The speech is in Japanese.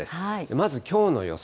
まずきょうの予想